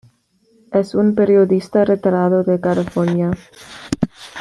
Es un periodista retirado de California.